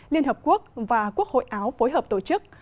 liên hợp quốc và quốc hội áo phối hợp tổ chức